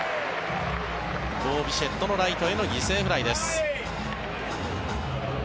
ボー・ビシェットのライトへの犠牲フライです。